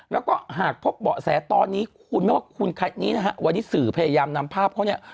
แล้วก็หากพบเบาะแสตอนนี้คุณไม่ว่าคุณนี้นะฮะวันนี้สื่อพยายามนำภาพเขาเนี่ย